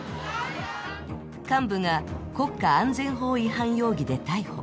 幹部が国家安全法違反容疑で逮捕。